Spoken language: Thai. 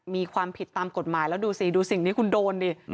มีความผิดตามกฎหมายแล้วดูสิดูสิ่งที่คุณโดนดิ